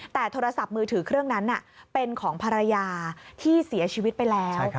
แต่โทรศัพท์มือถือเครื่องนั้นเป็นของภรรยาที่เสียชีวิตไปแล้ว